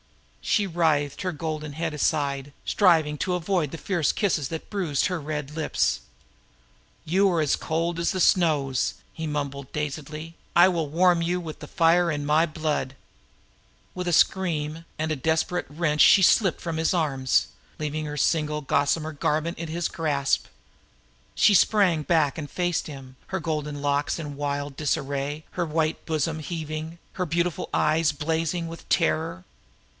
She writhed her golden head aside, striving to avoid the savage kisses that bruised her red lips. "You are cold as the snows," he mumbled dazedly. "I will warm you with the fire in my own blood—" With a desperate wrench she twisted from his arms, leaving her single gossamer garment in his grasp. She sprang back and faced him, her golden locks in wild disarray, her white bosom heaving, her beautiful eyes blazing with terror.